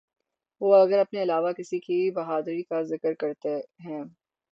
وہ اگر اپنے علاوہ کسی کی بہادری کا ذکر کرتے ہیں۔